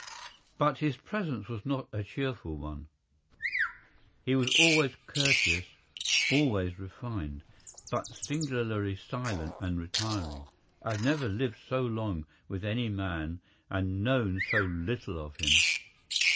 But his presence was not a cheerful one. He was always courteous, always refined, but singularly silent and retiring. I have never lived so long with any man and known so little of him.